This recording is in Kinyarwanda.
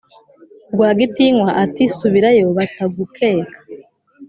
rwagitinywa ati"subirayo batagukeka!"